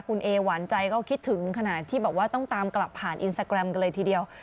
คุณเอหวานใจก็คิดถึงขนาดที่บอกว่าต้องตามกลับผ่านอินสตาแกรมกันเลยทีเดียว